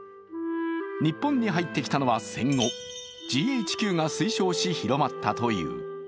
日本に入ってきたのは戦後、ＧＨＱが推奨し、広まったという。